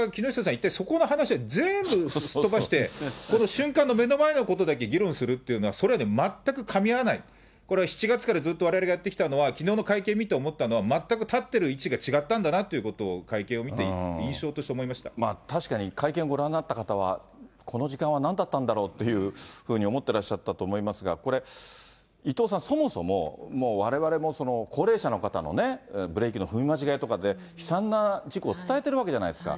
一体そこの話は全部吹っ飛ばして、この瞬間の目の前のことだけ議論するというのは、それね、全くかみ合わない、これは７月からずっとわれわれがやってきたのは、きのうの会見見て思ったのは、全く立ってる位置が違ったんだなっていうのを、会見を見て、印象確かに会見ご覧になった方は、この時間はなんだったんだろうというふうに思ってらっしゃったと思いますが、これ、伊藤さん、そもそも、もうわれわれも高齢者の方のね、ブレーキの踏み間違いとかで悲惨な事故を伝えてるわけじゃないですか。